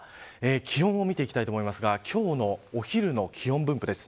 気温を見ていきたいと思いますが今日のお昼の気温分布です。